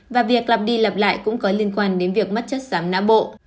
và việc lặp đi lặp lại cũng có liên quan đến việc mất chất xám não bộ